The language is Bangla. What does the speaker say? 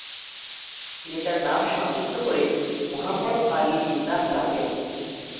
তিনি তার নাম সংক্ষিপ্ত করে মুহাম্মদ আলি জিন্নাহ রাখেন।